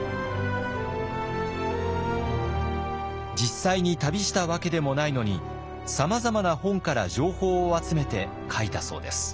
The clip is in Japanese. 実際に旅したわけでもないのにさまざまな本から情報を集めて書いたそうです。